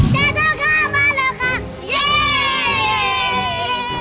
เจ้าข้าวมาแล้วค่ะ